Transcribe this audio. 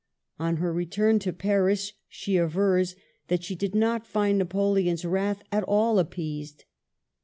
On her return to Paris she avers that she did not find Napoleon's wrath at all appeased.